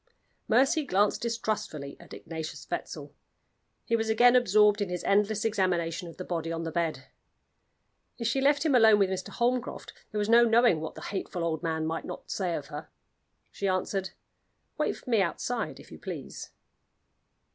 Mercy glanced distrustfully at Ignatius Wetzel. He was again absorbed in his endless examination of the body on the bed. If she left him alone with Mr. Holmcroft, there was no knowing what the hateful old man might not say of her. She answered: "Wait for me outside, if you please."